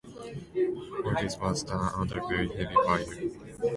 All this was done under very heavy fire.